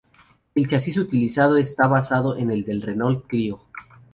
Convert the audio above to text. El chasis utilizado está basado en el del Renault Clio.